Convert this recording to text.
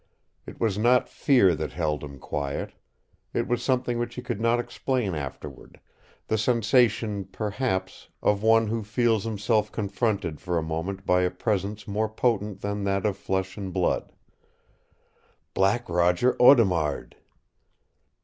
It was not fear that held him quiet. It was something which he could not explain afterward, the sensation, perhaps, of one who feels himself confronted for a moment by a presence more potent than that of flesh and blood. BLACK ROGER AUDEMARD!